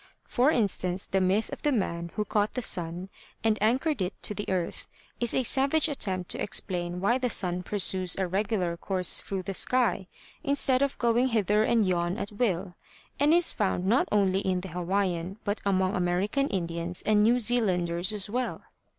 For instance the myth of the man who caught the sun and anchored it to the earth is a savage attempt to explain why the sun pursues a regular course through the sky, instead of going hither and yon at will, and is found not only in the Hawaiian, but among American Indians and New Zealanders as well.